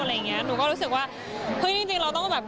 หนูก็รู้สึกว่าเฮ้ยจริงจริงเราต้องแบบ